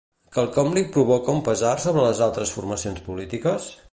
Quelcom li provoca un pesar sobre les altres formacions polítiques?